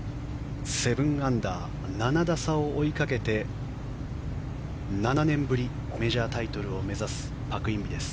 ７アンダー７打差を追いかけて７年ぶりメジャータイトルを目指すパク・インビです。